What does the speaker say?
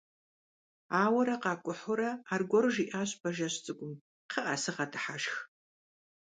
Ауэрэ къакӀухьурэ аргуэру жиӀащ Бажэжь цӀыкӀум: «КхъыӀэ, сыгъэдыхьэшх».